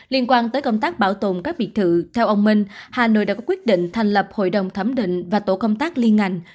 liên quan tới công tác bảo tồn các biệt thự theo ông minh hà nội đã có quyết định thành lập hội đồng thẩm định và tổ công tác liên ngành